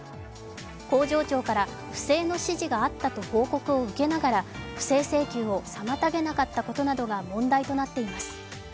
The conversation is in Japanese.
工場長から不正の指示があったと報告を受けながら、不正請求を妨げなかったことなどが問題となっています。